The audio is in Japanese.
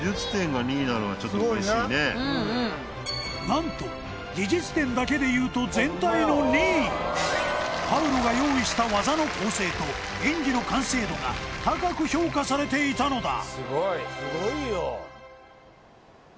なんと技術点だけでいうと全体の２位パウロが用意した技の構成と演技の完成度が高く評価されていたのだ